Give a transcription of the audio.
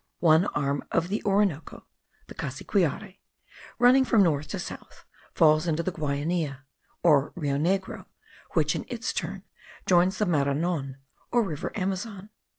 One arm of the Orinoco, (the Cassiquiare,) running from north to south, falls into the Guainia, or Rio Negro, which, in its turn, joins the Maranon, or river Amazon.